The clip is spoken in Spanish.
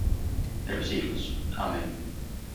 de los siglos. Amén.